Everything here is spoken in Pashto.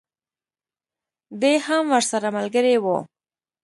دی هم ورسره ملګری وو.